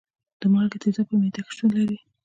د مالګې تیزاب په معده کې شتون لري.